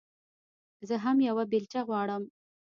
زه هم يوه بېلچه غواړم.